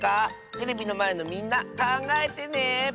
テレビのまえのみんなかんがえてね！